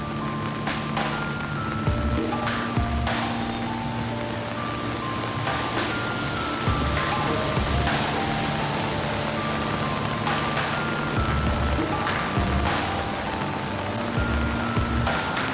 ke dalamnya berapa bang